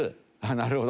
なるほど。